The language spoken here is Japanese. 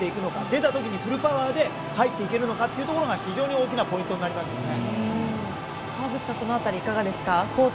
出た時にフルパワーで入っていけるのかというところが非常に大きなポイントになりますよね。